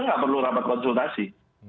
nggak perlu rapat konsultasi